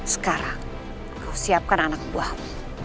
sekarang kau siapkan anak buahmu